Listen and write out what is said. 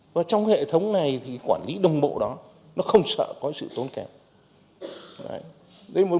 và trong hệ thống này thì quản lý đồng bộ đó nó không sợ có sự tốn kém